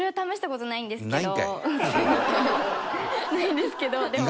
ないんですけど。